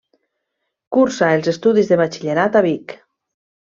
Cursa els estudis de Batxillerat a Vic.